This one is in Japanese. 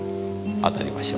当たりましょう。